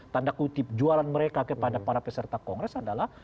tanda kutip jualan mereka kepada para peserta kongres adalah